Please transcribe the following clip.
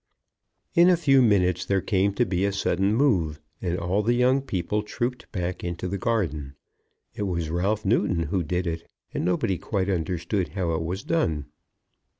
In a few minutes there came to be a sudden move, and all the young people trooped back into the garden. It was Ralph Newton who did it, and nobody quite understood how it was done.